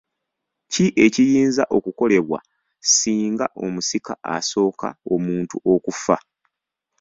Ki ekiyinza okukolebwa singa omusika asooka omuntu okufa?